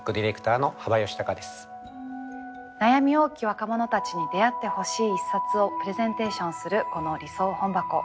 悩み多き若者たちに出会ってほしい一冊をプレゼンテーションするこの「理想本箱」。